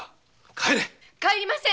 帰りません！